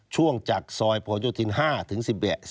ช่วงจากซอยปะขนยุทิน๕ถึง๑๑